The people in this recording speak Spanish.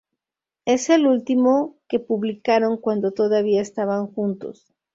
Es el último que publicaron cuando todavía estaban juntos.